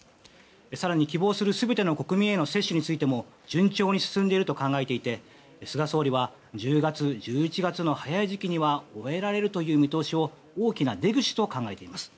更に、希望する全ての国民への接種についても順調に進んでいると考えていて菅総理は１０月、１１月の早い時期には終えられるという見通しを大きな出口と考えています。